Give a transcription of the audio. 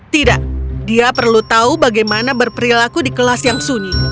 tidak dia perlu tahu bagaimana berperilaku di kelas yang sunyi